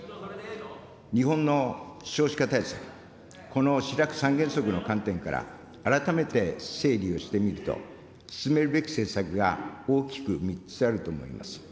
日本の少子化対策、このシラク３原則の観点から改めて整理をしてみると、進めるべき政策が大きく３つあると思います。